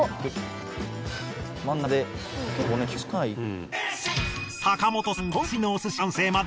真ん中で。